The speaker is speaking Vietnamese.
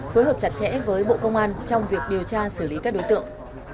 phối hợp chặt chẽ với bộ công an trong việc điều tra xử lý các đối tượng